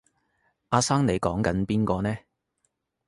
阿生你講緊邊個呢？